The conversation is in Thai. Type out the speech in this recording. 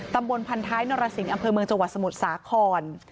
ตำบลพันท้ายนรสิงห์อำเภอเมืองจังหวัดสมุทรสาคร